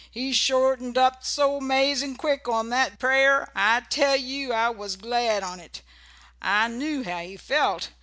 He shortened up so 'mazin' quick on that prayer. I tell you I was glad on't. I knew how he felt.